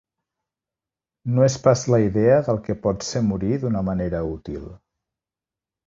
No és pas la idea del que pot ser morir d'una manera útil.